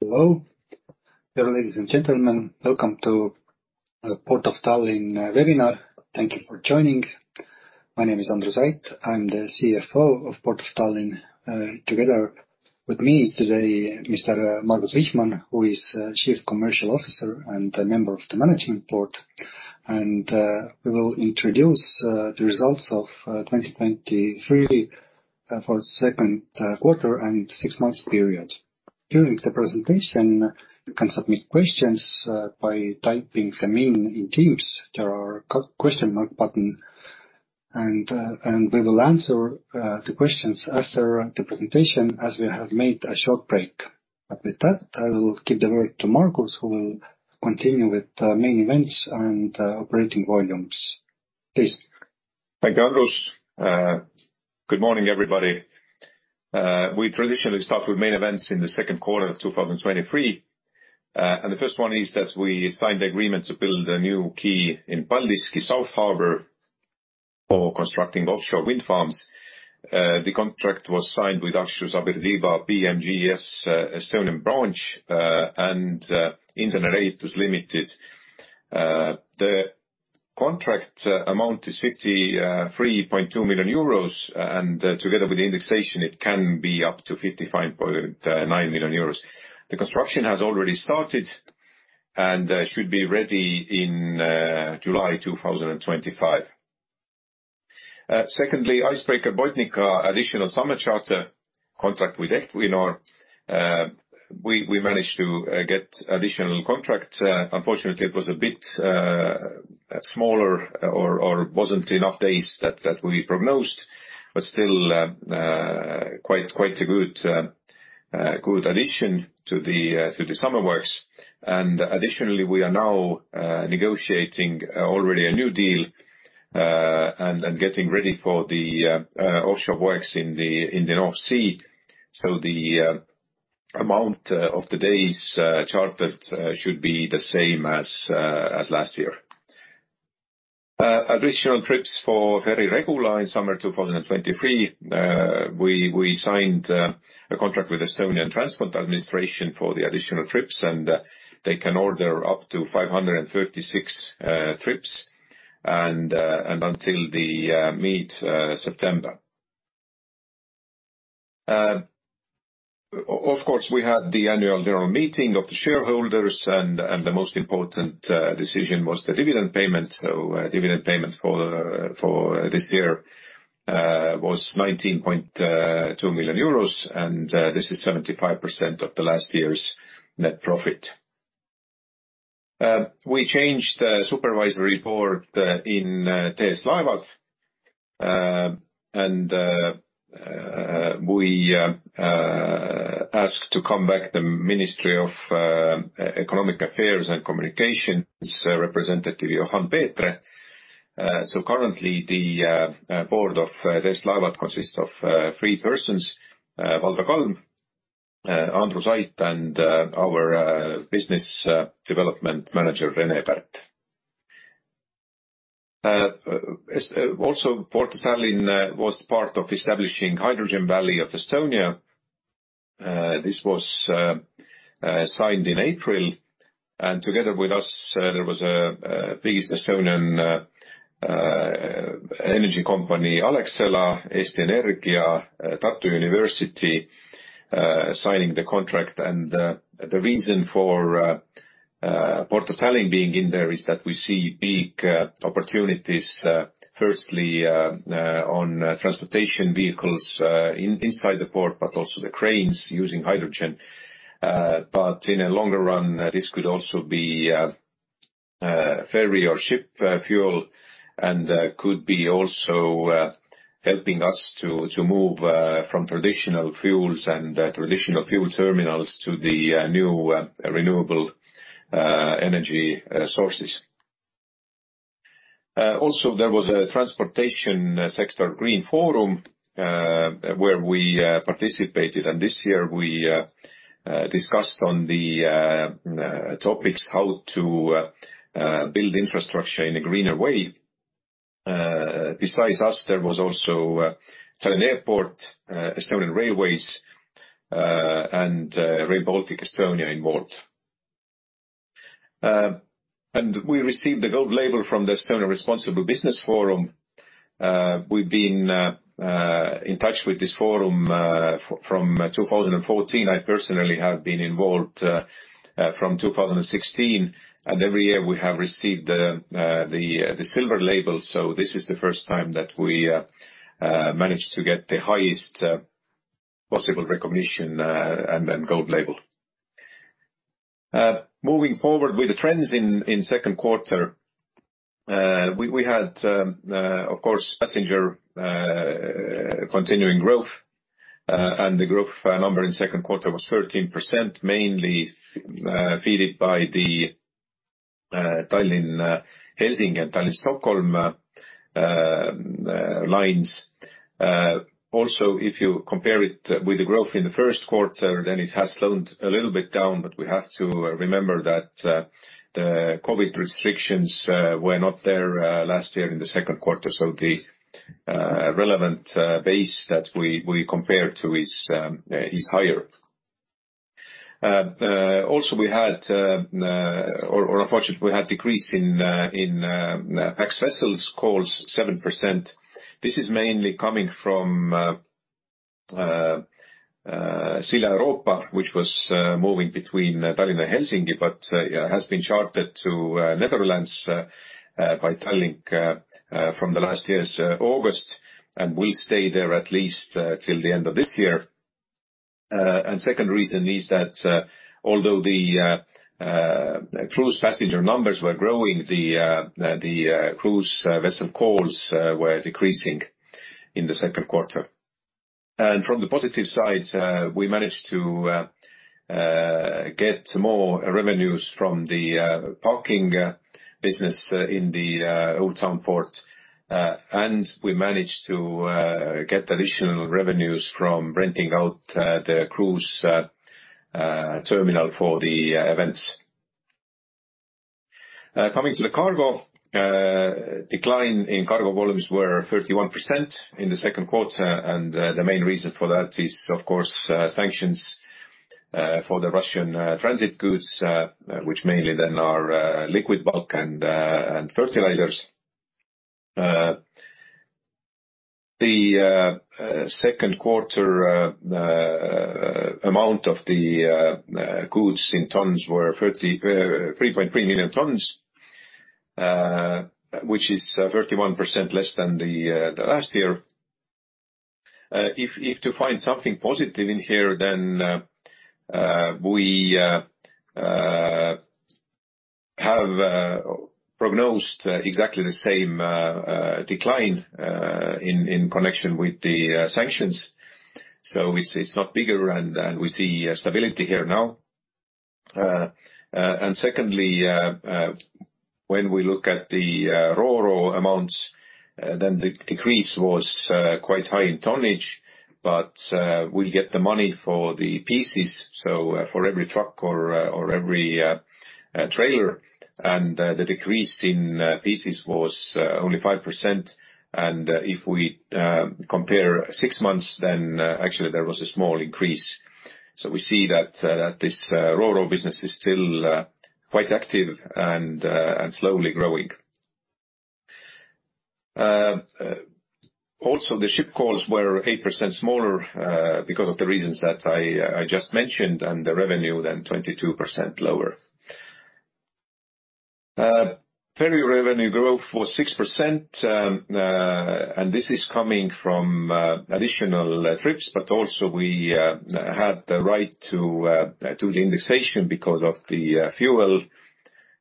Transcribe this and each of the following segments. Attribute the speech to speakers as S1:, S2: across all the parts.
S1: Hello, dear ladies and gentlemen. Welcome to the Port of Tallinn webinar. Thank you for joining. My name is Andrus Ait. I'm the CFO of Port of Tallinn. Together with me is today Mr. Margus Vihman, who is Chief Commercial Officer and a member of the Management Board. We will introduce the results of 2023 for second quarter and six months period. During the presentation, you can submit questions by typing them in Teams. There are question mark button, and we will answer the questions after the presentation, as we have made a short break. With that, I will give the word to Margus, who will continue with the main events and operating volumes. Please.
S2: Thank you, Andrus. Good morning, everybody. We traditionally start with the main events in the second quarter of 2023. The first one is that we signed the agreement to build a new quay in Paldiski South Harbour for constructing offshore wind farms. The contract was signed with Akciju Sabiedrība BMGS Estonian Branch and Insenerehituse AS. The contract amount is 53.2 million euros, and together with indexation, it can be up to 55.9 million euros. The construction has already started and should be ready in July 2025. Secondly, Icebreaker Botnica additional summer charter contract with Equinor. We managed to get additional contracts. Unfortunately, it was a bit smaller or wasn't enough days that we prognosed, but still, quite, quite a good, good addition to the summer works. Additionally, we are now negotiating already a new deal and getting ready for the offshore works in the North Sea. The amount of the days chartered should be the same as last year. Additional trips for very regular in summer 2023, we signed a contract with Estonian Transport Administration for the additional trips, and they can order up to 536 trips, and until the mid September. Of course, we had the annual general meeting of the shareholders, and the most important decision was the dividend payment. Dividend payment for this year was 19.2 million euros, and this is 75% of the last year's net profit. We changed the supervisory board in TS Laevad, and we asked to come back the Ministry of Economic Affairs and Communications Representative Johann Peetre. So currently, the board of TS Laevad consists of three persons, Valdo Kalm, Andrus Ait, and our business development manager, Rene Pärt. Also, Port of Tallinn was part of establishing Hydrogen Valley Estonia. This was signed in April. Together with us, there was a biggest Estonian energy company, Alexela, Eesti Energia, University of Tartu, signing the contract. The reason for Port of Tallinn being in there is that we see big opportunities, firstly, on transportation vehicles, inside the port, but also the cranes using hydrogen. In a longer run, this could also be ferry or ship fuel, and could be also helping us to, to move from traditional fuels and traditional fuel terminals to the new renewable energy sources. Also, there was a transportation sector, Green Forum, where we participated, and this year, we discussed on the topics, how to build infrastructure in a greener way. Besides us, there was also Tallinn Airport, Estonian Railways, and Rail Baltic Estonia involved. We received the Gold Label from the Estonian Responsible Business Forum. We've been in touch with this forum from 2014. I personally have been involved from 2016, and every year we have received the Silver Label. This is the first time that we managed to get the highest possible recognition, and then Gold Label. Moving forward with the trends in, in second quarter, we, we had, of course, passenger, continuing growth, and the growth number in second quarter was 13%, mainly feeded by the Tallinn–Helsinki, and Stockholm lines. Also, if you compare it with the growth in the first quarter, then it has slowed a little bit down, but we have to remember that the COVID restrictions were not there last year in the second quarter. Relevant base that we, we compare to is higher. Also we had, or, or unfortunately, we had decrease in, in access vessels calls 7%. This is mainly coming from Silja Europa, which was moving between Tallinn and Helsinki, but has been chartered to Netherlands by Tallink from the last year's August, and will stay there at least till the end of this year. Second reason is that although the cruise passenger numbers were growing, the cruise vessel calls were decreasing in the second quarter. From the positive side, we managed to get more revenues from the parking business in the Old Town Port. We managed to get additional revenues from renting out the cruise terminal for the events. Coming to the cargo, decline in cargo volumes were 31% in the second quarter, and the main reason for that is, of course, sanctions for the Russian transit goods, which mainly then are liquid bulk and fertilizers. The second quarter amount of the goods in tons were 3.3 million tons, which is 31% less than the last year. If, if to find something positive in here, then we have prognosed exactly the same decline in connection with the sanctions. It's, it's not bigger, and, and we see stability here now. Secondly, when we look at the Ro-Ro amounts, then the decrease was quite high in tonnage, but we'll get the money for the pieces, so for every truck or or every trailer. The decrease in pieces was only 5%. If we compare six months, then actually, there was a small increase. We see that this Ro-Ro business is still quite active and and slowly growing. The ship calls were 8% smaller, because of the reasons that I, I just mentioned, and the revenue then 22% lower. Uh, ferry revenue growth was six percent, um, uh, and this is coming from, uh, additional trips, but also we, uh, had the right to, uh, to the indexation because of the, uh, fuel,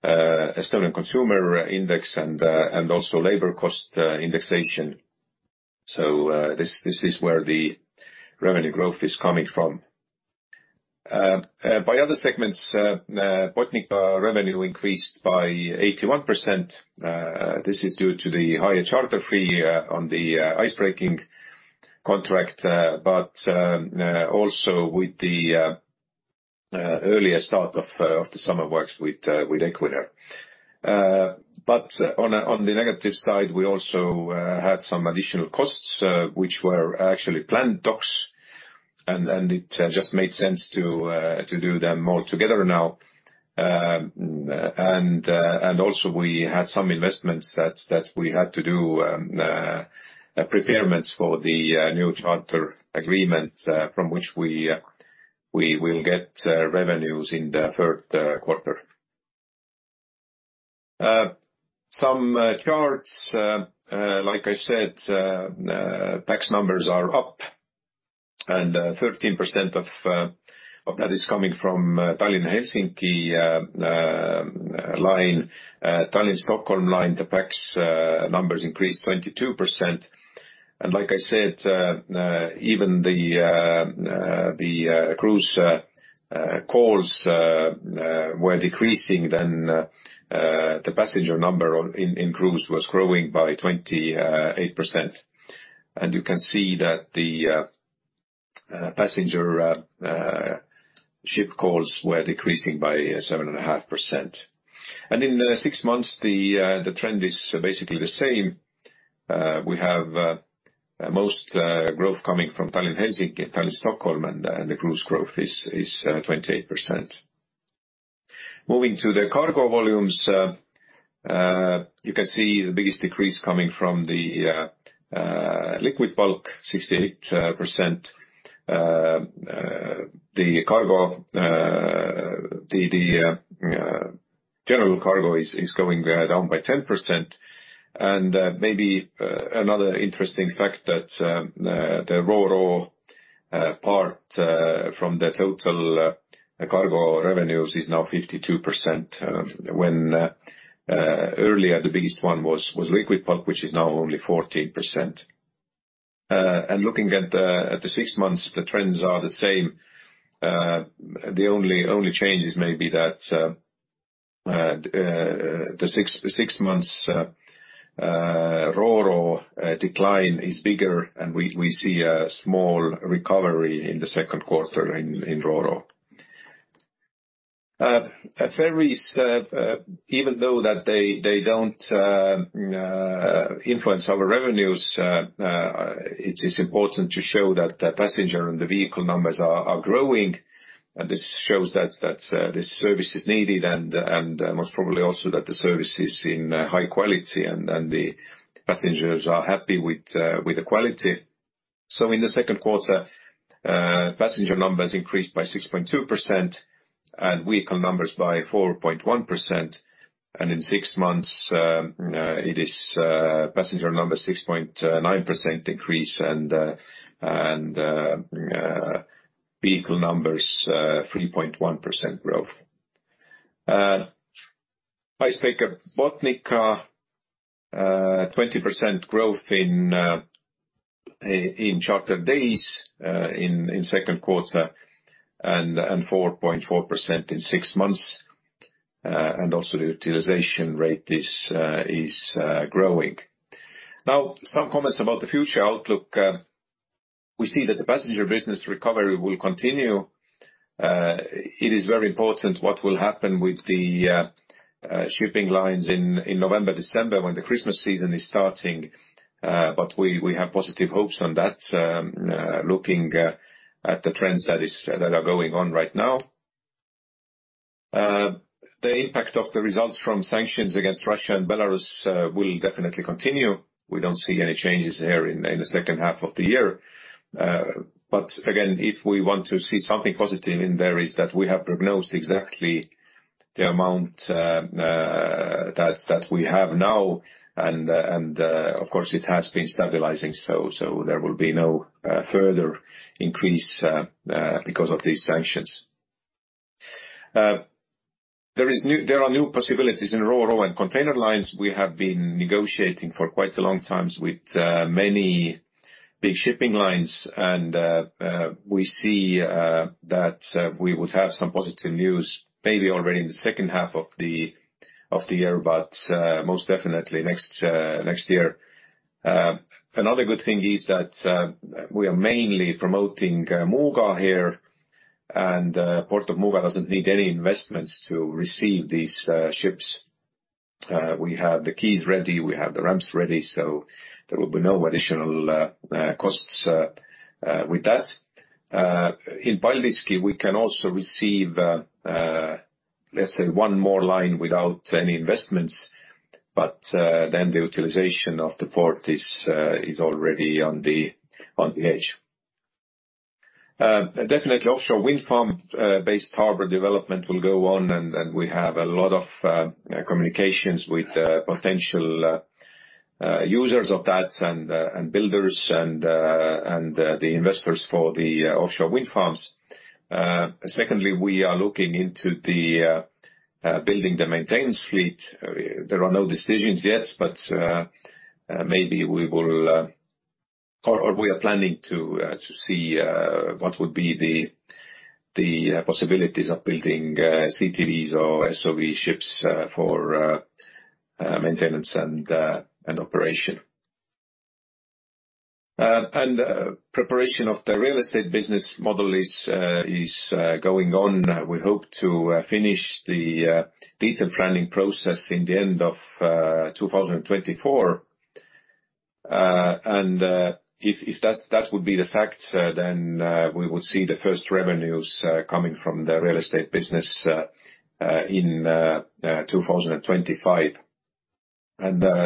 S2: uh, Estonian consumer index and, uh, and also labor cost, uh, indexation. So, uh, this, this is where the revenue growth is coming from. Uh, by Other segments, uh, Botnica revenue increased by eighty-one percent. Uh, this is due to the higher charter fee, uh, on the, uh, icebreaking contract, uh, but, um, uh, also with the, uh, uh, earlier start of, uh, of the summer works with, uh, with Equinor. Uh, but on, on the negative side, we also, uh, had some additional costs, uh, which were actually planned docks, and, and it, uh, just made sense to, uh, to do them all together now. And also we had some investments that we had to do, preparations for the new charter agreement, from which we will get revenues in the third quarter. Some charts, like I said, pax numbers are up, and 13% of that is coming from Tallinn-Helsinki line. Tallinn-Stockholm line, the pax numbers increased 22%. And like I said, even the cruise calls were decreasing then, the passenger number in cruise was growing by 28%. And you can see that the passenger ship calls were decreasing by 7.5%. And in the six months, the trend is basically the same. We have most growth coming from Tallinn-Helsinki, Tallinn-Stockholm, and the cruise growth is 28%. Moving to the cargo volumes, you can see the biggest decrease coming from the liquid bulk, 68%. The general cargo is going down by 10%. Maybe another interesting fact is that the Ro-Ro part from the total cargo revenues is now 52%, when earlier the biggest one was liquid bulk, which is now only 14%. Looking at the six months, the trends are the same. The only change is maybe that the six months, Ro-Ro decline is bigger, and we, we see a small recovery in the second quarter in, in Ro-Ro. At ferries, even though that they, they don't influence our revenues, it's, it's important to show that the passenger and the vehicle numbers are growing. This shows that, that, this service is needed, and, and, most probably also that the service is in high quality, and, and the passengers are happy with the quality. In the second quarter, passenger numbers increased by 6.2%, and vehicle numbers by 4.1%, and in six months, passenger number 6.9% increase, and vehicle numbers 3.1% growth. Icebreaker Botnica, 20% growth in charter days in second quarter, and 4.4% in six months, and also the utilization rate is growing. Some comments about the future outlook. We see that the passenger business recovery will continue. It is very important what will happen with the shipping lines in November, December, when the Christmas season is starting, but we, we have positive hopes on that, looking at the trends that are going on right now. The impact of the results from sanctions against Russia and Belarus will definitely continue. We don't see any changes there in the second half of the year. Again, if we want to see something positive in there, is that we have diagnosed exactly the amount that we have now, and, of course, it has been stabilizing, so there will be no further increase because of these sanctions. There are new possibilities in Ro-Ro and container lines. We have been negotiating for quite a long time with many big shipping lines, and we see that we would have some positive news, maybe already in the second half of the year, but most definitely next year. Another good thing is that we are mainly promoting Muuga here, and Port of Muuga doesn't need any investments to receive these ships. We have the quays ready, we have the ramps ready, so there will be no additional costs with that. In Paldiski, we can also receive, let's say, one more line without any investments, but then the utilization of the port is already on the edge. Definitely offshore wind farm based harbor development will go on, and, and we have a lot of communications with potential users of that and builders and the investors for the offshore wind farms. Secondly, we are looking into the building the maintenance fleet. There are no decisions yet, but maybe we will... Or we are planning to see what would be the possibilities of building CTVs or SOV ships for maintenance and operation. Preparation of the real estate business model is going on. We hope to finish the detail planning process in the end of 2024. If that would be the fact, sir, then we would see the first revenues coming from the real estate business in 2025.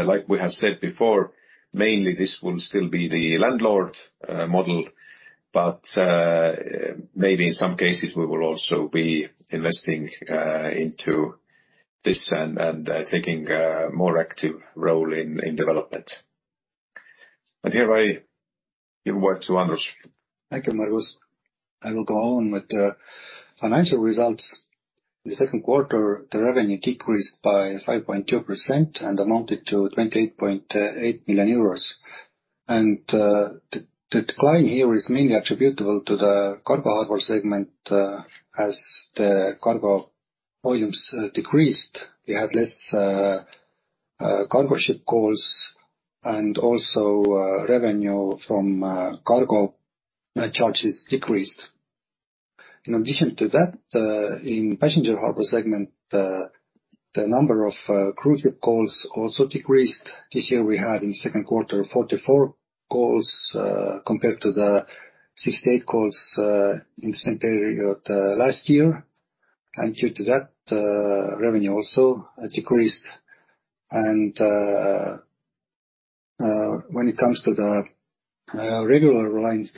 S2: Like we have said before, mainly this will still be the landlord model, but maybe in some cases, we will also be investing into this and taking a more active role in development. Here I give word to Andrus.
S1: Thank you, Margus. I will go on with the financial results. The second quarter, the revenue decreased by 5.2% and amounted to 28.8 million euros. The decline here is mainly attributable to the Cargo Harbour segment, as the cargo volumes decreased. We had less cargo ship calls and also revenue from cargo charges decreased. In addition to that, in Passenger Harbour segment, the number of cruise ship calls also decreased. This year, we had in the second quarter, 44 calls compared to the 68 calls in the same period last year. Due to that, revenue also decreased. When it comes to the regular lines,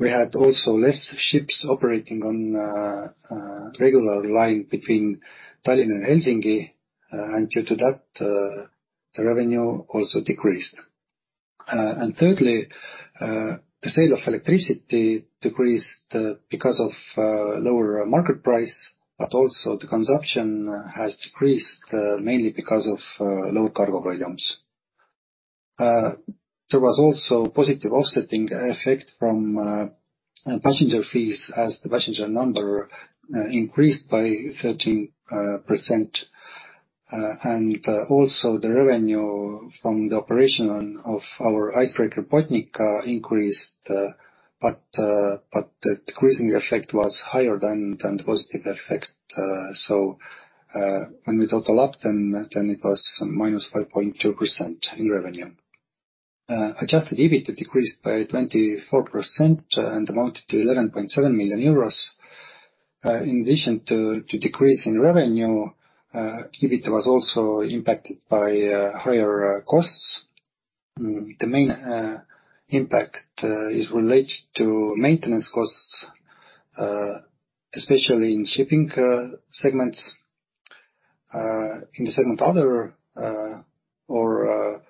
S1: we had also less ships operating on regular line between Tallinn and Helsinki, and due to that, the revenue also decreased. Thirdly, the sale of electricity decreased because of lower market price, but also the consumption has decreased mainly because of lower cargo volumes. There was also positive offsetting effect from passenger fees, as the passenger number increased by 13%. Also the revenue from the operation of our icebreaker Botnica, increased, but the decreasing effect was higher than the positive effect. When we total up, then it was -5.2% in revenue. Adjusted EBIT decreased by 24% and amounted to 11.7 million euros. In addition to decrease in revenue, EBIT was also impacted by higher costs. The main impact is related to maintenance costs, especially in shipping segments. In the segment Other, or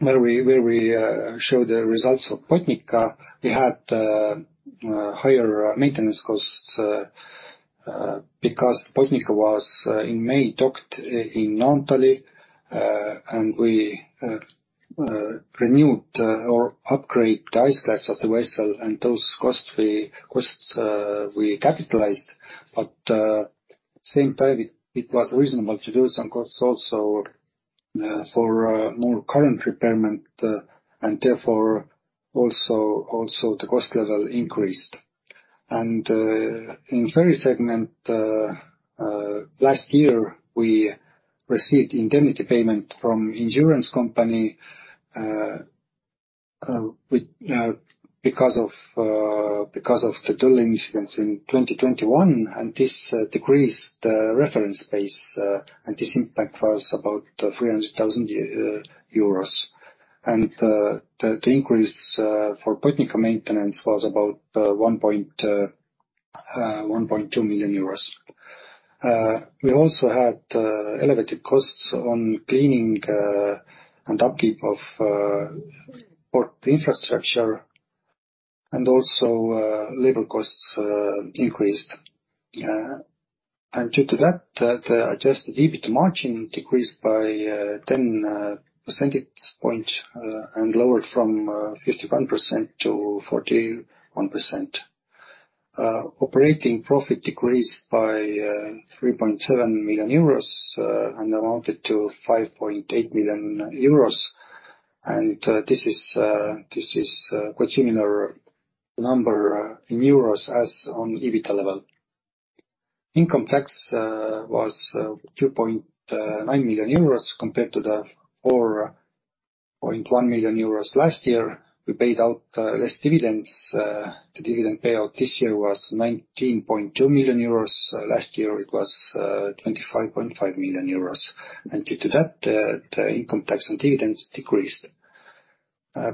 S1: where we, where we show the results of Botnica, we had higher maintenance costs because Botnica was in May, docked in Naantali, and we renewed or upgraded the ice class of the vessel, and those costs costs we capitalized. Same time, it, it was reasonable to do some costs also for more current repairment, and therefore, also, also the cost level increased. In Ferry segment, last year, we received indemnity payment from insurance company, with because of the dual incidents in 2021, and this decreased the reference base, and this impact was about 300,000 euros. The increase for Botnica maintenance was about 1.2 million euros. We also had elevated costs on cleaning and upkeep of port infrastructure, and also labor costs increased. Due to that, the adjusted EBIT margin decreased by 10 percentage point and lowered from 51% to 41%. Operating profit decreased by 3.7 million euros and amounted to 5.8 million euros, and this is quite similar number in euros as on EBIT level. Income tax was 2.9 million euros compared to the 4.1 million euros last year. We paid out less dividends. The dividend payout this year was 19.2 million euros, last year it was 25.5 million euros. Due to that, the income tax and dividends decreased.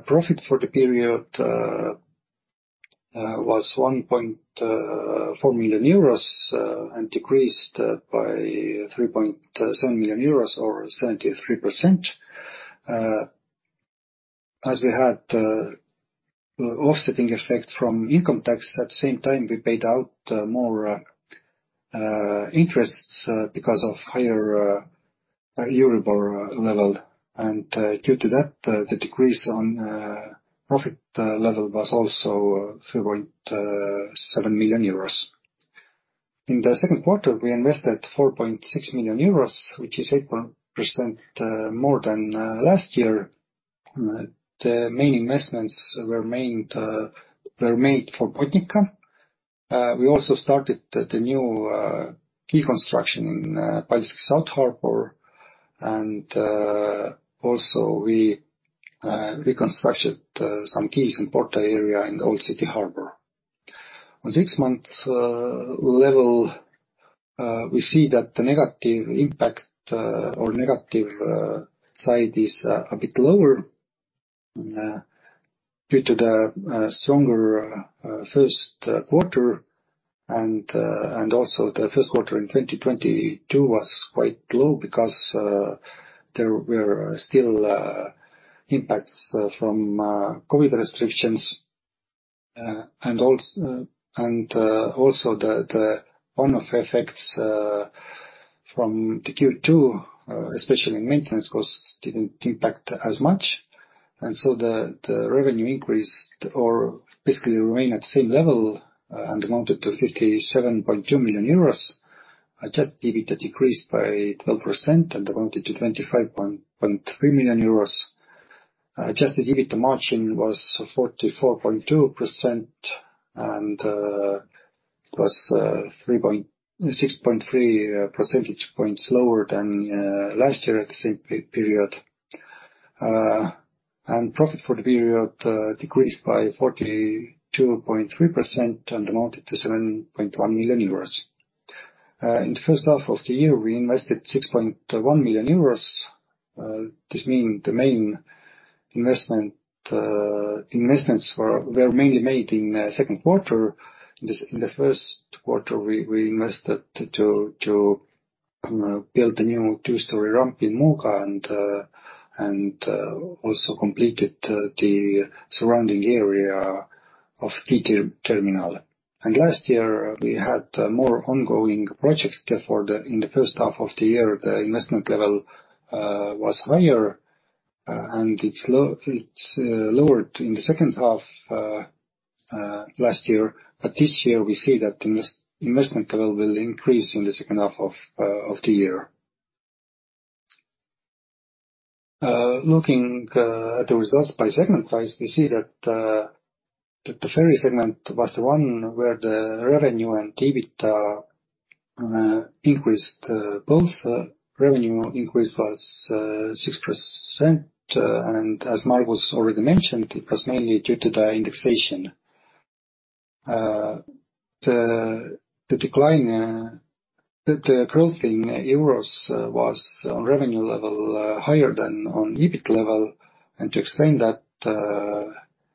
S1: Profit for the period was 1.4 million euros and decreased by 3.7 million euros or 73%. As we had offsetting effect from income tax, at the same time, we paid out more interests because of higher Euribor level. Due to that, the decrease on profit level was also 3.7 million euros. In the second quarter, we invested 4.6 million euros, which is 8.0% more than last year. The main investments were made for Botnica. We also started the new quay construction in Paldiski South Harbour, and also we reconstructed some quays in port area in Old City Harbour. On six-month level, we see that the negative impact or negative side is a bit lower due to the stronger first quarter. Also the first quarter in 2022 was quite low because there were still impacts from COVID restrictions. Also the one-off effects from the Q2, especially in maintenance costs, didn't impact as much. The revenue increased or basically remain at the same level and amounted to 57.2 million euros. Adjusted EBITDA decreased by 12% and amounted to 25.3 million euros. Adjusted EBITDA margin was 44.2% and was 6.3 percentage points lower than last year at the same period. Profit for the period decreased by 42.3% and amounted to 7.1 million euros. In the first half of the year, we invested 6.1 million euros, this mean the main investments were mainly made in the second quarter. In the first quarter, we invested to build a new two-story ramp in Muuga and, and also completed the surrounding area of D terminal. Last year, we had more ongoing projects therefore, the, in the first half of the year, the investment level was higher. It's low, it's lower in the second half last year. This year, we see that investment level will increase in the second half of the year. Looking at the results by segment wise, we see that that the Ferry segment was the one where the revenue and EBIT increased. Both revenue increase was 6%, as Margus already mentioned, it was mainly due to the indexation. The decline, the growth in euros, was on revenue level higher than on EBIT level. To explain that,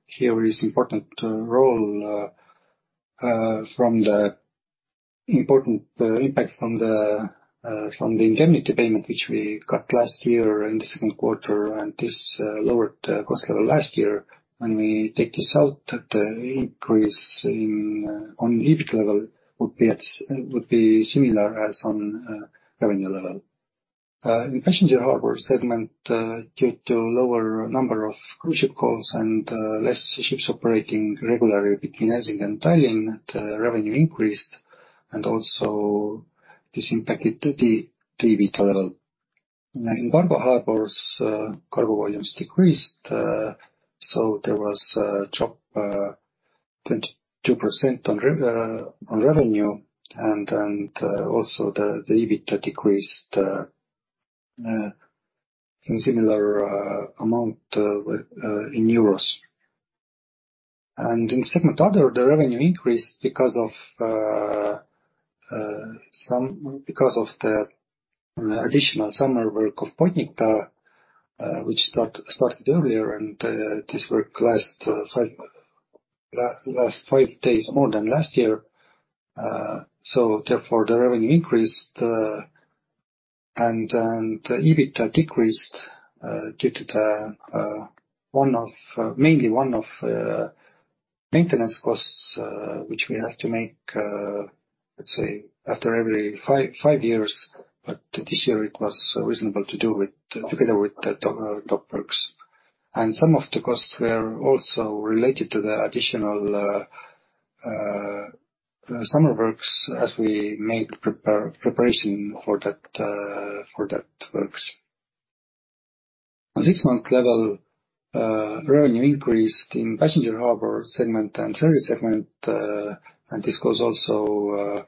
S1: here is important role from the important impact from the indemnity payment, which we got last year in the 2Q. This lowered cost level last year. When we take this out, the increase in on EBIT level would be at would be similar as on revenue level. In Passenger Harbour segment, due to lower number of cruise ship calls and less ships operating regularly between Helsinki and Tallinn, the revenue increased, and also this impacted to the EBIT level. In Cargo Harbours, cargo volumes decreased, so there was a drop, 22% on revenue and, also the, the EBIT decreased, in similar amount, in euros. In segment Other, the revenue increased because of, because of the additional summer work of Botnica, which started earlier, and, this work last five days, more than last year. Therefore, the revenue increased, and, EBIT decreased, due to the, one of, mainly one of the maintenance costs, which we have to make, let's say, after every five years, but this year it was reasonable to do it together with the dock works. Some of the costs were also related to the additional summer works, as we make preparation for that for that works. On six-month level, revenue increased in Passenger Harbour segment and Ferry segment, and this goes also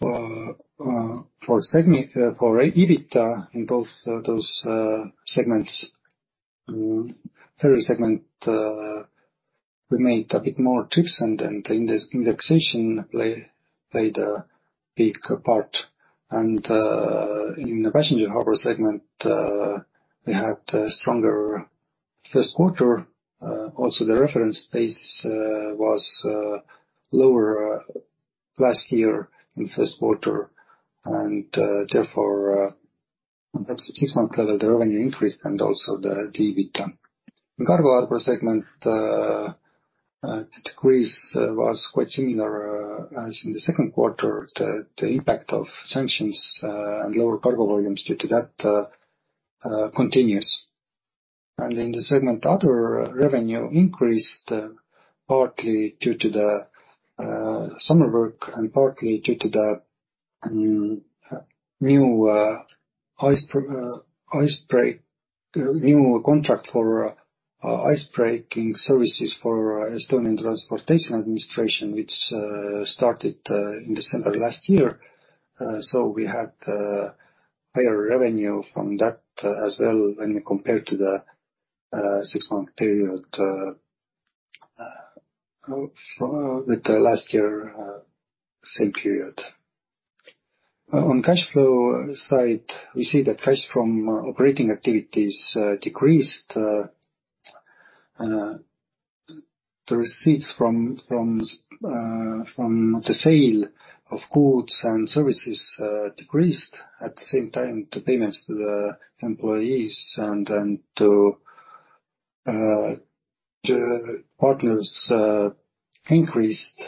S1: for segment for EBIT in both those segments. Ferry segment, we made a bit more trips, then indexation played a big part. In the Passenger Harbour segment, we had a stronger first quarter. Also the reference base was lower last year in first quarter. Therefore, perhaps at six-month level, the revenue increased and also the EBIT. The Cargo Harbour segment decrease was quite similar as in the second quarter. The impact of sanctions and lower cargo volumes due to that continues. In the segment Other, revenue increased partly due to the summer work and partly due to the new contract for ice breaking services for Estonian Transport Administration, which started in December last year. We had higher revenue from that as well, when we compare to the six-month period with the last year, same period. On cash flow side, we see that cash from operating activities decreased. The receipts from the sale of goods and services decreased. At the same time, the payments to the employees and to the partners increased.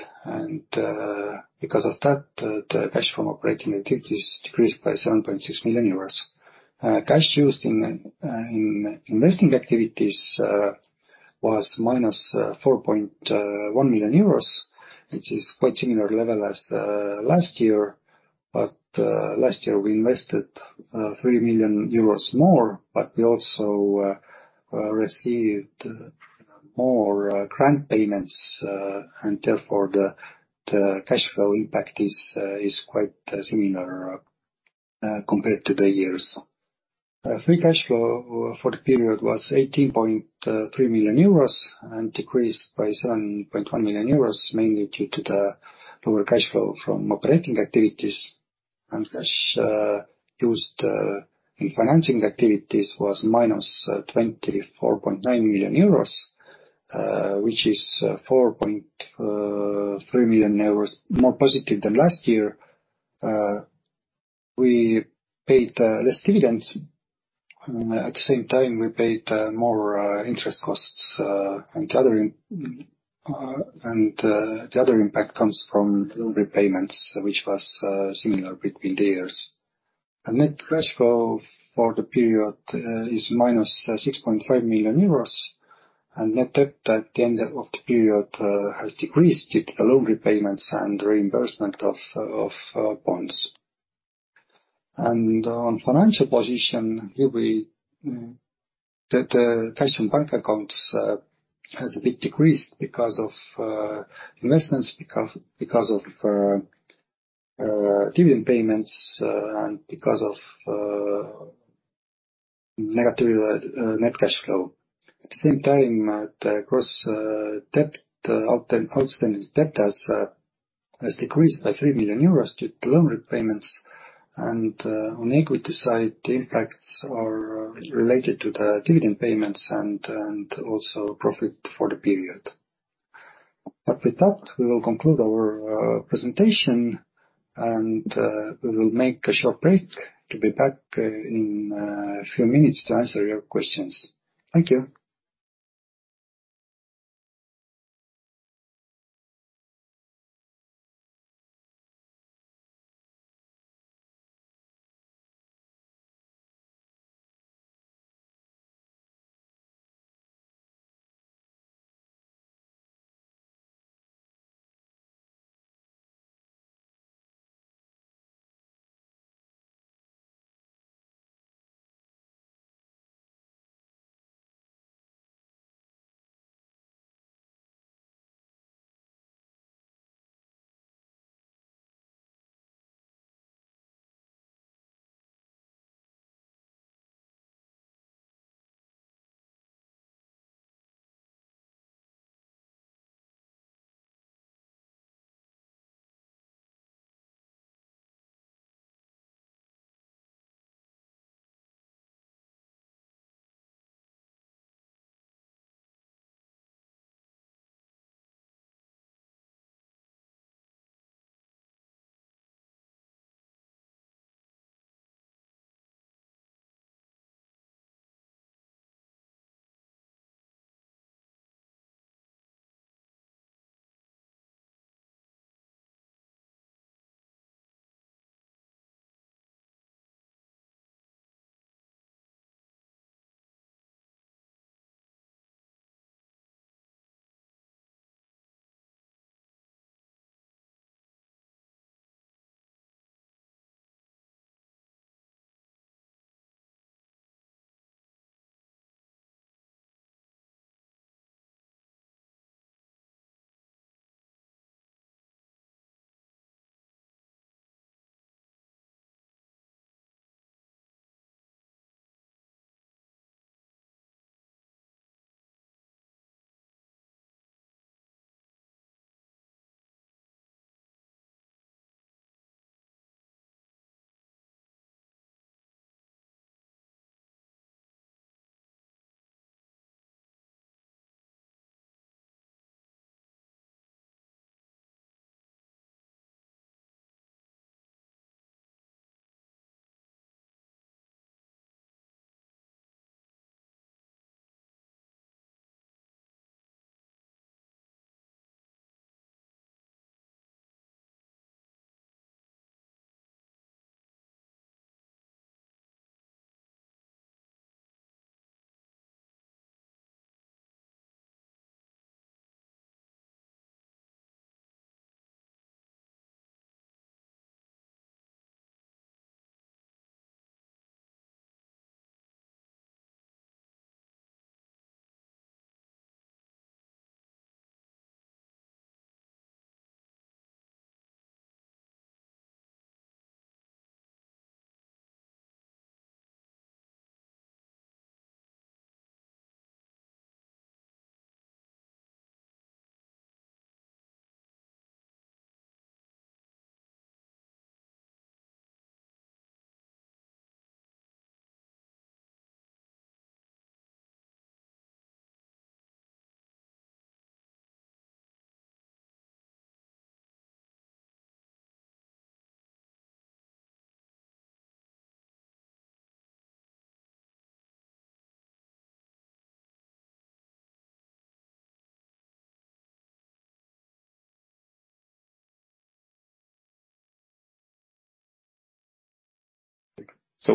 S1: Because of that, the cash from operating activities decreased by 7.6 million euros. Cash used in investing activities was minus 4.1 million euros, which is quite similar level as last year. Last year, we invested 3 million euros more, but we also received more grant payments, and therefore, the cash flow impact is quite similar compared to the years. Free cash flow for the period was 18.3 million euros and decreased by 7.1 million euros, mainly due to the lower cash flow from operating activities. Cash used in financing activities was minus 24.9 million euros, which is 4.3 million euros more positive than last year. We paid less dividends. I mean, at the same time, we paid more interest costs and other. The other impact comes from loan repayments, which was similar between the years. The net cash flow for the period is minus 6.5 million euros, net debt at the end of the period has decreased due to loan repayments and reimbursement of bonds. On financial position, here we, that cash and bank accounts has a bit decreased because of investments, because of dividend payments, and because of negative net cash flow. At the same time, the gross outstanding debt has decreased by 3 million euros due to loan repayments. On equity side, the impacts are related to the dividend payments and also profit for the period. With that, we will conclude our presentation, and we will make a short break to be back in a few minutes to answer your questions. Thank you.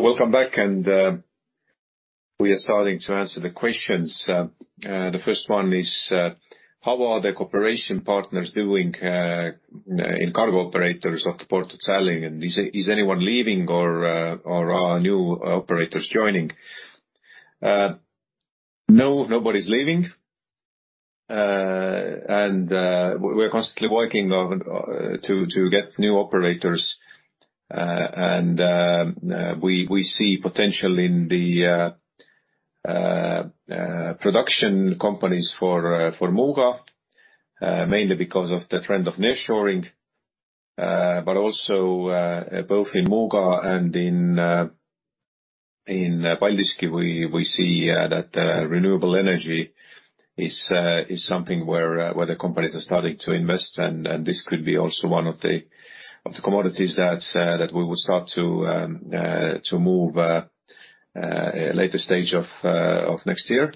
S2: Welcome back, and we are starting to answer the questions. The first one is: How are the cooperation partners doing in cargo operators of the Port of Tallinn, and is anyone leaving or are new operators joining? No, nobody's leaving. And we're constantly working on to get new operators. And we see potential in the production companies for Muuga, mainly because of the trend of nearshoring. Also, both in Muuga and in Paldiski, we, we see that renewable energy is something where the companies are starting to invest, and this could be also one of the commodities that we will start to move later stage of next year....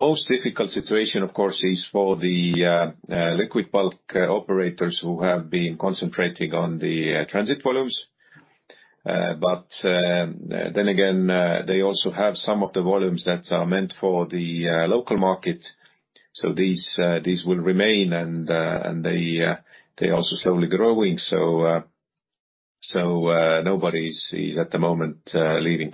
S2: Most difficult situation, of course, is for the liquid bulk operators who have been concentrating on the transit volumes. Then again, they also have some of the volumes that are meant for the local market. These will remain, and they also slowly growing. Nobody is at the moment leaving.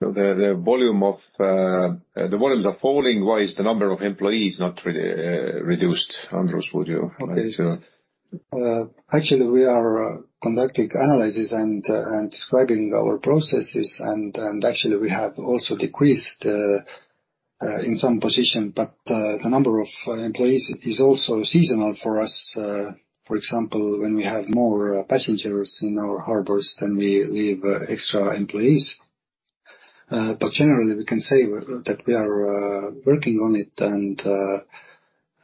S2: The volume of, the volumes are falling. Why is the number of employees not really reduced? Andrus, would you like to-
S1: Okay. Actually, we are conducting analysis and describing our processes, and actually, we have also decreased in some position, but the number of employees is also seasonal for us. For example, when we have more passengers in our harbors, then we leave extra employees. Generally, we can say that we are working on it,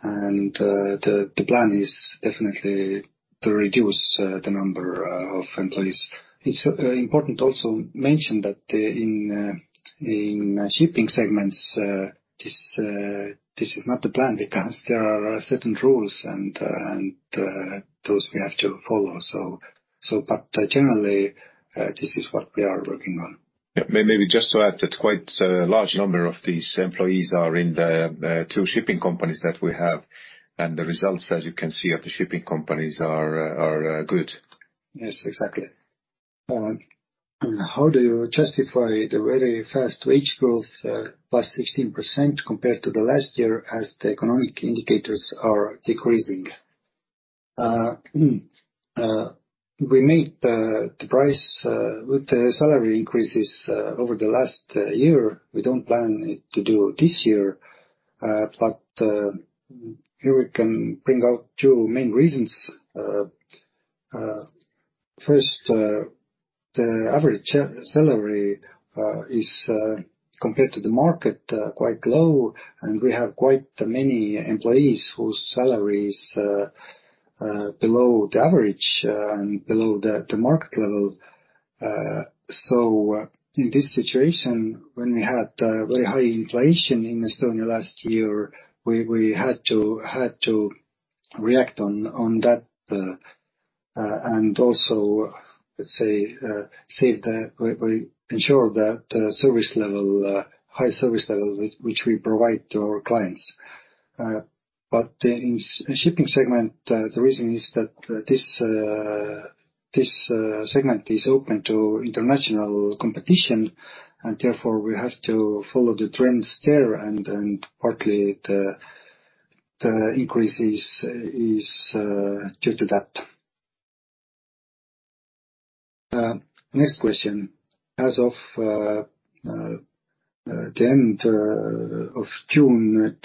S1: and the plan is definitely to reduce the number of employees. It's important also mention that in shipping segments, this is not the plan, because there are certain rules, and those we have to follow. Generally, this is what we are working on.
S2: Yeah. May- maybe just to add that quite a large number of these employees are in the 2 shipping companies that we have, and the results, as you can see, of the shipping companies are are good.
S1: Yes, exactly. How do you justify the very fast wage growth, plus 16% compared to the last year, as the economic indicators are decreasing? We made the price with the salary increases over the last year. We don't plan it to do this year. Here we can bring out 2 main reasons. First, the average salary is compared to the market quite low, and we have quite many employees whose salaries are below the average and below the market level. In this situation, when we had very high inflation in Estonia last year, we, we had to, had to react on, on that, and also, let's say, save the -- we, we ensure that the service level, high service level, which we provide to our clients. In shipping segment, the reason is that this, this segment is open to international competition, and therefore we have to follow the trends there, and, and partly the, the increases is due to that. Next question. As of the end of June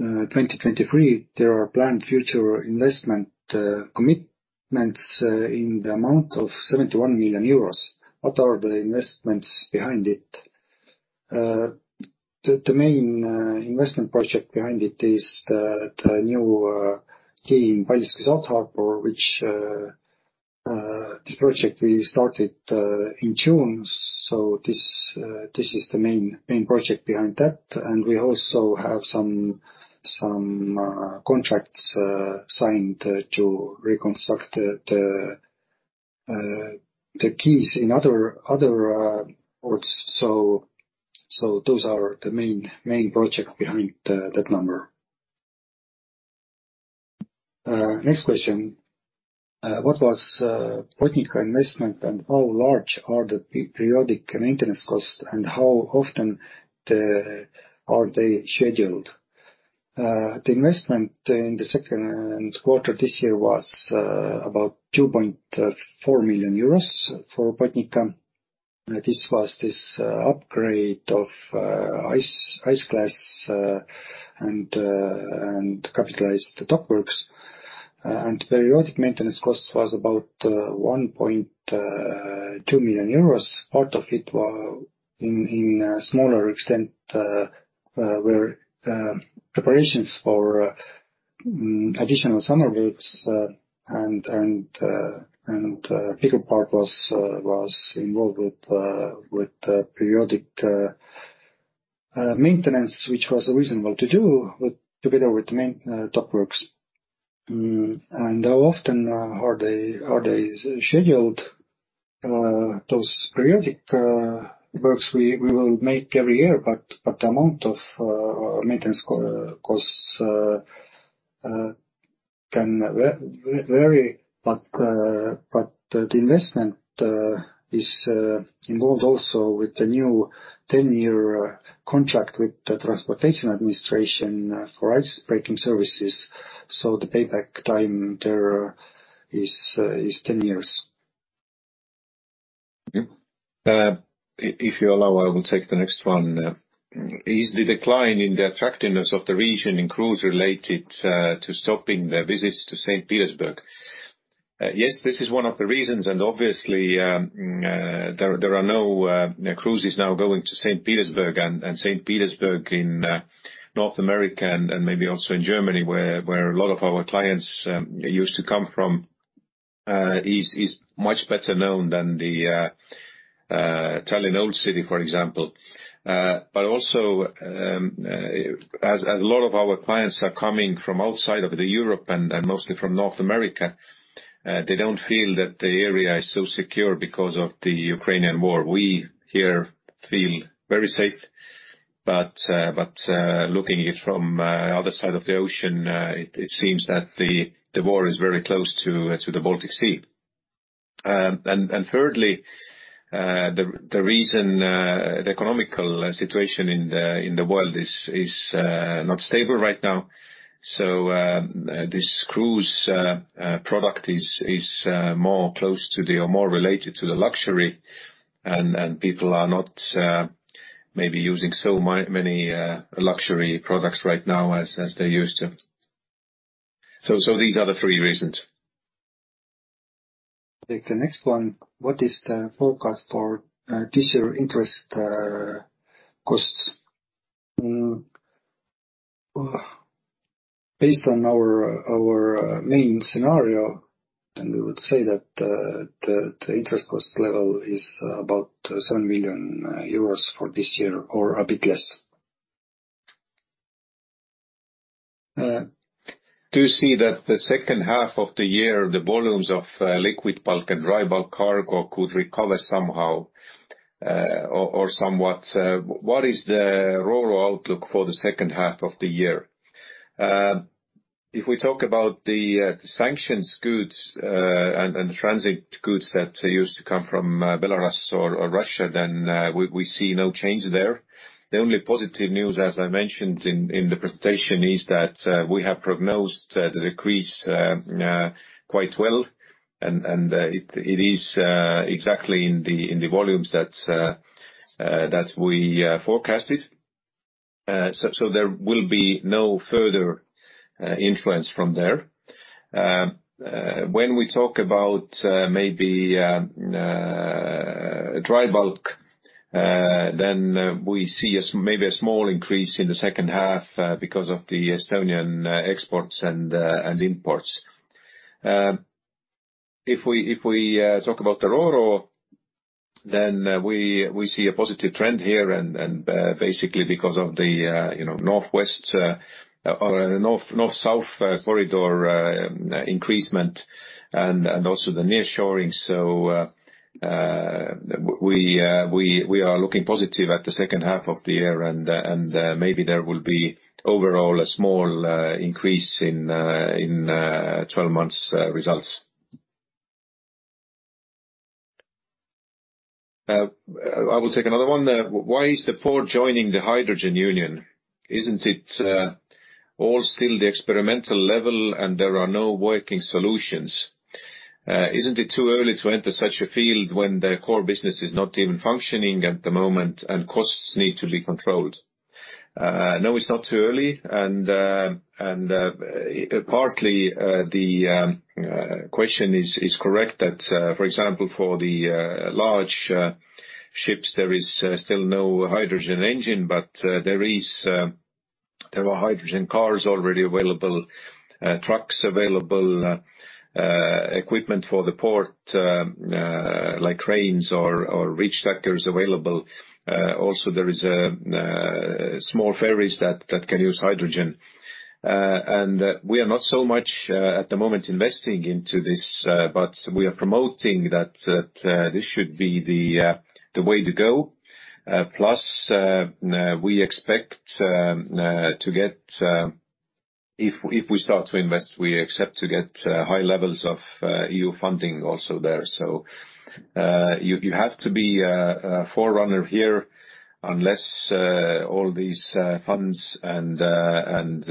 S1: 2023, there are planned future investment commitments in the amount of 71 million euros. What are the investments behind it? The main investment project behind it is the new quay in Paldiski South Harbour, which this project we started in June. This is the main, main project behind that. We also have some, some contracts signed to reconstruct the quays in other, other ports. Those are the main, main project behind that number. Next question. What was technical investment, and how large are the periodic maintenance costs, and how often are they scheduled? The investment in the second quarter this year was about 2.4 million euros for Botnica. This was this upgrade of ice class and capitalized dock works. Periodic maintenance cost was about 1.2 million euros. Part of it was in, in a smaller extent, were preparations for additional summer boats, and and bigger part was involved with with periodic maintenance, which was reasonable to do, with, together with main dock works. How often are they, are they scheduled? Those periodic works we, we will make every year, but, but the amount of maintenance costs can vary, but, but the investment is involved also with the new 10-year contract with the Transport Administration for icebreaking services. The payback time there is 10 years.
S2: Yeah. If you allow, I will take the next one. Is the decline in the attractiveness of the region in cruise related to stopping the visits to St. Petersburg? Yes, this is one of the reasons, and obviously, there are no cruises now going to St. Petersburg, and St. Petersburg in North America and maybe also in Germany, where a lot of our clients used to come from. Is much better known than the Tallinn Old City, for example. Also, as a lot of our clients are coming from outside of the Europe and mostly from North America, they don't feel that the area is so secure because of the Ukrainian war. We here feel very safe, but looking it from other side of the ocean, it seems that the war is very close to the Baltic Sea. Thirdly, the reason, the economical situation in the world is not stable right now. This cruise product is more close to the or more related to the luxury, and people are not maybe using so many luxury products right now as they used to. These are the three reasons.
S1: Take the next one. What is the forecast for this year's interest costs? Based on our, our, main scenario, we would say that the interest cost level is about 7 million euros for this year, or a bit less.
S2: Do you see that the second half of the year, the volumes of liquid bulk and dry bulk cargo could recover somehow, or somewhat? What is the Ro-Ro outlook for the second half of the year? If we talk about the sanctions goods, and transit goods that used to come from Belarus or Russia, then we see no change there. The only positive news, as I mentioned in the presentation, is that we have prognosed the decrease quite well, and it is exactly in the volumes that we forecasted. There will be no further influence from there. When we talk about maybe dry bulk, then we see a maybe a small increase in the second half because of the Estonian exports and imports. If we, if we talk about the Ro-Ro, then we, we see a positive trend here and and basically because of the, you know, northwest or a north, north-south corridor increasement and also the nearshoring. So, we, we are looking positive at the second half of the year, and maybe there will be overall a small increase in in 12 months results. I will take another one. Why is the port joining the Hydrogen Union? Isn't it all still the experimental level and there are no working solutions? Isn't it too early to enter such a field when the core business is not even functioning at the moment and costs need to be controlled? No, it's not too early, and partly the question is correct that, for example, for the large ships, there is still no hydrogen engine. There are hydrogen cars already available, trucks available, equipment for the port, like cranes or reach stackers available. Also there is small ferries that can use hydrogen. We are not so much at the moment investing into this, but we are promoting that this should be the way to go. Plus, we expect to get, if, if we start to invest, we expect to get high levels of EU funding also there. You, you have to be a, a forerunner here, unless all these funds and and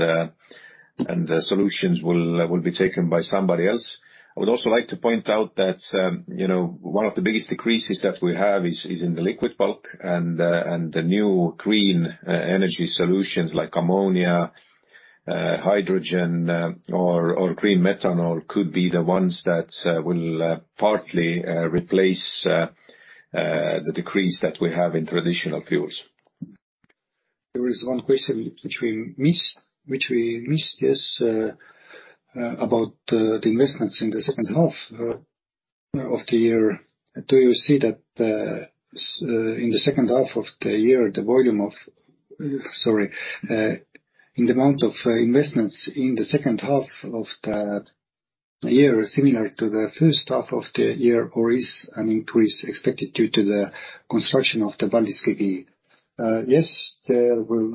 S2: the solutions will will be taken by somebody else. I would also like to point out that, you know, one of the biggest decreases that we have is, is in the liquid bulk, and the new green energy solutions like ammonia, hydrogen, or green methanol, could be the ones that will partly replace the decrease that we have in traditional fuels.
S1: There is one question which we missed, which we missed, yes, about the investments in the second half of the year. Do you see that in the second half of the year, the volume of... Sorry, in the amount of investments in the second half of the year, similar to the first half of the year, or is an increase expected due to the construction of the Paldiski? Yes, there will,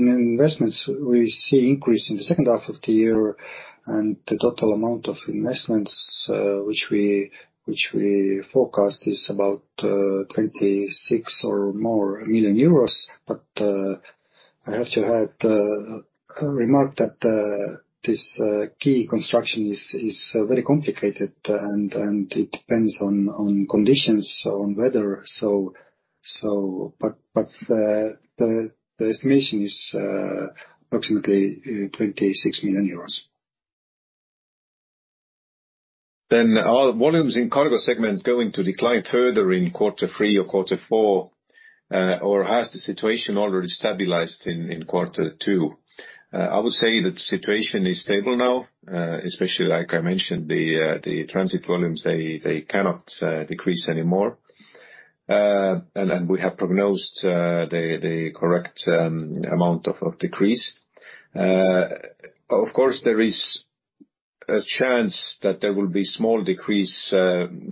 S1: in investments, we see increase in the second half of the year and the total amount of investments, which we, which we forecast is about 26 million or more. I have to add a remark that this quay construction is, is very complicated, and it depends on conditions, on weather. The estimation is, approximately EUR 26 million.
S2: Are volumes in cargo segment going to decline further in quarter three or quarter four? Or has the situation already stabilized in quarter two? I would say that the situation is stable now, especially like I mentioned, the transit volumes, they cannot decrease anymore. And then we have prognosed the correct amount of decrease. Of course, there is a chance that there will be small decrease,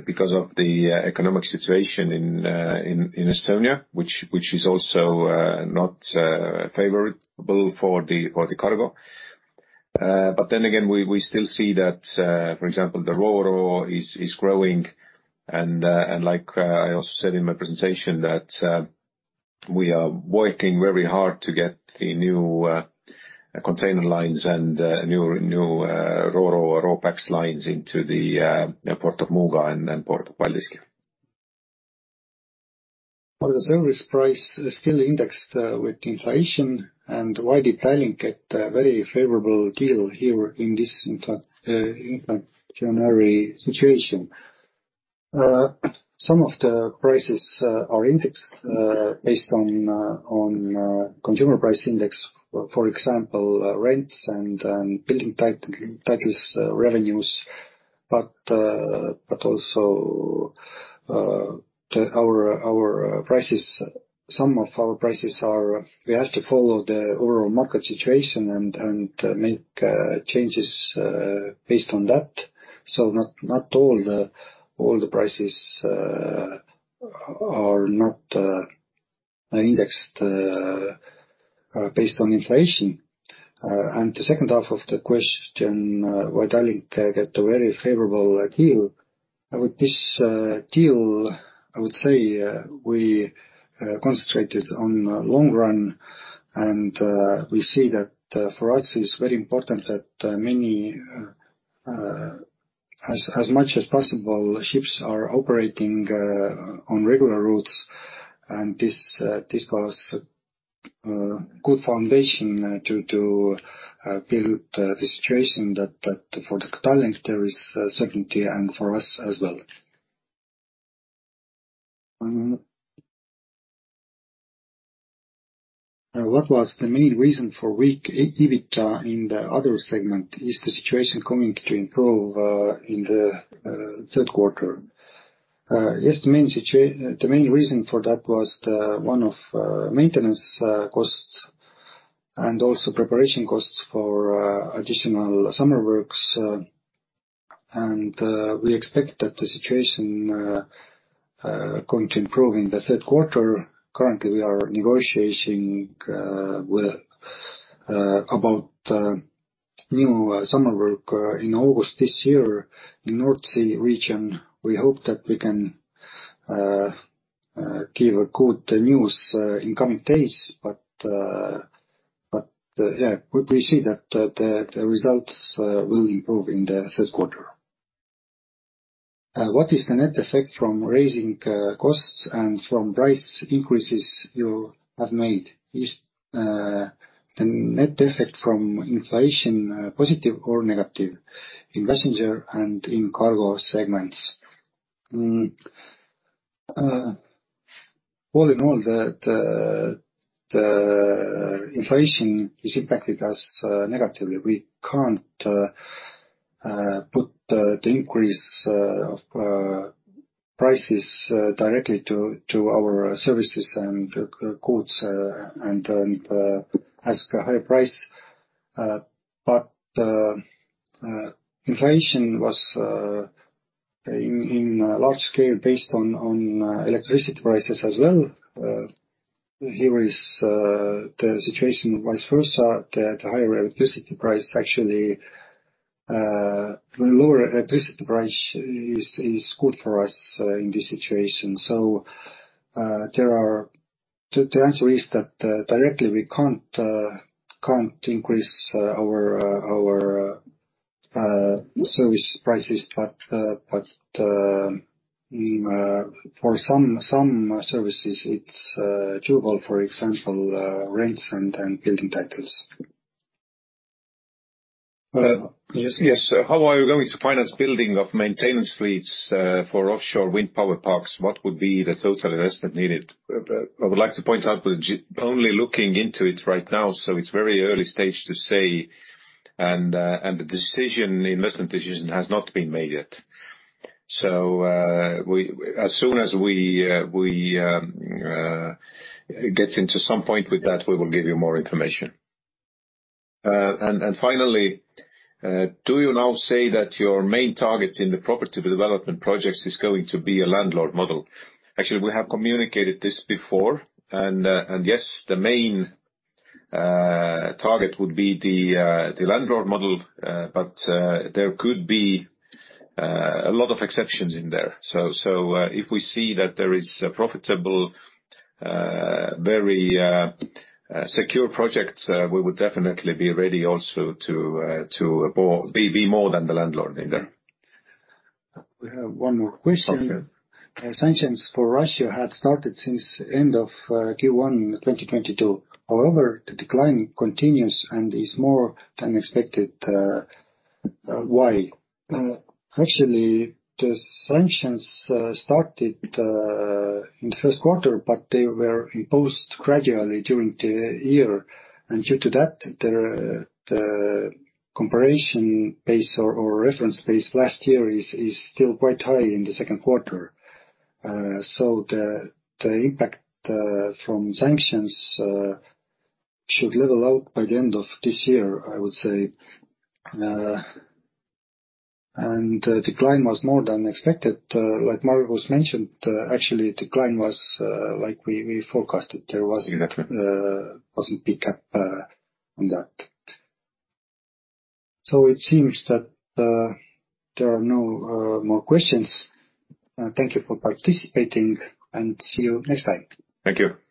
S2: because of the economic situation in Estonia, which is also not favorable for the cargo. But then again, we still see that, for example, the Ro-Ro is growing. Like, I also said in my presentation that, we are working very hard to get the new container lines and new, new Ro-Ro Ro-Pax lines into the Port of Muuga and then Port of Paldiski.
S1: Are the service price still indexed with inflation? Why did Tallink get a very favorable deal here in this inflationary situation? Some of the prices are indexed based on on consumer price index, for example, rents and building rights revenues. Also our, our prices some of our prices are... We have to follow the overall market situation and make changes based on that. Not, not all the, all the prices are not indexed based on inflation. The second half of the question, why Tallink get a very favorable deal? With this deal, I would say, we concentrated on long run, and we see that for us, it's very important that many, as much as possible, ships are operating on regular routes. This, this was a good foundation to to build the situation that that for the Tallink, there is certainty, and for us as well. What was the main reason for weak EBITDA in the Other segment? Is the situation going to improve in the third quarter? Yes, the main reason for that was the, one of maintenance costs, and also preparation costs for additional summer works. We expect that the situation going to improve in the third quarter. Currently, we are negotiating with about new summer work in August this year in North Sea region. We hope that we can give a good news in coming days, yeah, we see that the results will improve in the third quarter. What is the net effect from raising costs and from price increases you have made? Is the net effect from inflation positive or negative in passenger and in cargo segments? All in all, the inflation is impacted us negatively. We can't put the increase of prices directly to our services and costs and ask a higher price. Inflation was in large scale based on electricity prices as well. The situation vice versa, that higher electricity price actually, the lower electricity price is good for us in this situation. The answer is that directly, we can't increase our service prices, but for some services, it's doable, for example, rents and building rights.
S2: Yes, yes. How are you going to finance building of maintenance fleets for offshore wind power parks? What would be the total investment needed? I would like to point out that we're only looking into it right now, so it's very early stage to say, and the decision, the investment decision has not been made yet. So, as soon as we get into some point with that, we will give you more information. And finally, do you now say that your main target in the property development projects is going to be a landlord model? Actually, we have communicated this before, and yes, the main target would be the landlord model, but there could be a lot of exceptions in there. If we see that there is a profitable, very secure project, we would definitely be ready also to to be, be more than the landlord in there.
S1: We have one more question.
S2: Okay.
S1: Sanctions for Russia had started since end of Q1 in 2022. However, the decline continues and is more than expected, why? Actually, the sanctions started in the first quarter, but they were imposed gradually during the year. Due to that, the comparison base or reference base last year is still quite high in the second quarter. The impact from sanctions should level out by the end of this year, I would say. The decline was more than expected, like Margus mentioned, actually, decline was like we forecasted. There wasn't pickup on that. It seems that there are no more questions. Thank you for participating, and see you next time.
S2: Thank you.